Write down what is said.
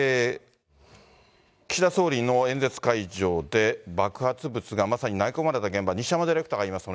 岸田総理の演説会場で爆発物がまさに投げ込まれた現場、西山ディレクターがいます。